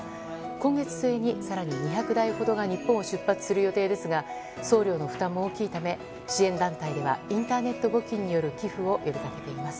今月末に、更に２００台ほどが日本を出発する予定ですが送料の負担も大きいため支援団体ではインターネット募金による寄付を呼びかけています。